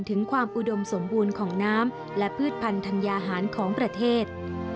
ถึงความอุดมสมบูรณ์ของน้ำและพืชพันธัญญาหารของประเทศ